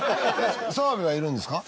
澤部はいるんですか？